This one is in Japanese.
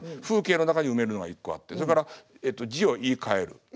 風景の中に埋めるのが１個あってそれからえっと字を言いかえる。